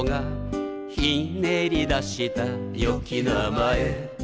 「ひねり出したよき名前」